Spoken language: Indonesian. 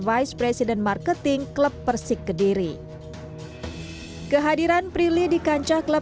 vice president marketing klub persik kediri kehadiran prilly di kancah klub